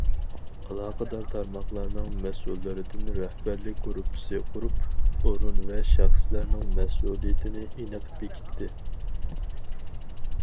ئالاقىدار تارماقلارنىڭ مەسئۇللىرىدىن رەھبەرلىك گۇرۇپپىسى قۇرۇپ، ئورۇن ۋە شەخسلەرنىڭ مەسئۇلىيىتىنى ئېنىق بېكىتتى.